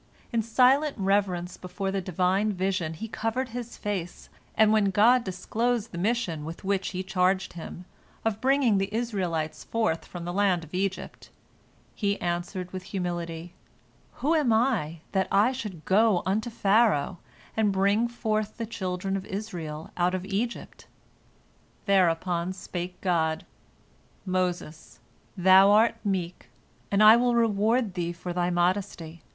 In silent reverence before the Divine vision he covered his face, and when God disclosed the mission with which He charged him, of bringing the Israelites forth from the land of Egypt, he answered with humility, "Who am I, that I should go unto Pharaoh, and bring forth the children of Israel out of Egypt?" Thereupon spake God, "Moses, thou art meek, and I will reward thee for thy modesty.